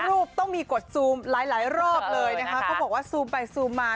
รูปต้องมีกดซูมหลายหลายรอบเลยนะคะเขาบอกว่าซูมไปซูมมา